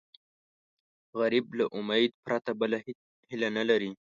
غریب له امید پرته بله هیله نه لري